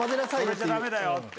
それじゃダメだよ！って。